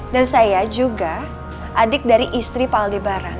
dan saya juga adik dari istri pak aldebaran